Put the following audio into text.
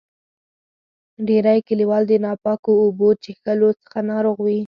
ډیری کلیوال د ناپاکو اوبو چیښلو څخه ناروغ وي.